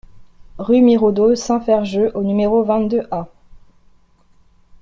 Rue Miroudot Saint-Ferjeux au numéro vingt-deux A